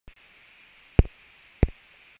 有大富翁在嗎